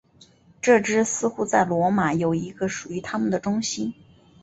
这支似乎在罗马有一个属于他们的中心。